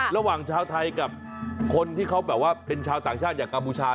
ระหว่างชาวไทยกับคนที่เขาแบบว่าเป็นชาวต่างชาติอย่างกัมพูชา